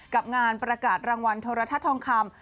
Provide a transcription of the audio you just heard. กับงานประกาศรางวัลโทรทัศน์ทองคำ